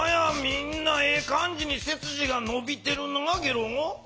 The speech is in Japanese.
みんなええ感じにせすじがのびてるなゲロ。